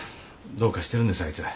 どうかしてるんですあいつ。